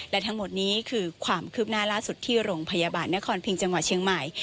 และทั้งหมดนี้คือความคืบหน้าล่าสุดที่โรงพยาบาลนครพิงจังหวัดเชียงใหม่